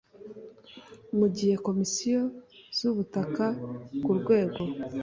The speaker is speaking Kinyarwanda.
mu gihe Komisiyo z ubutaka ku rwego